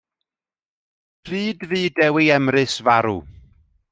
Pryd fu Dewi Emrys farw?